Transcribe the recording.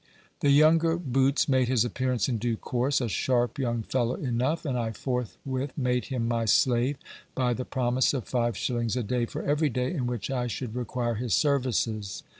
The younger Boots made his appearance in due course a sharp young fellow enough and I forthwith made him my slave by the promise of five shillings a day for every day in which I should require his services.